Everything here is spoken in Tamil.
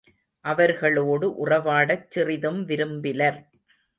அவர்களோடு உறவாடச் சிறிதும் விரும்பிலர்.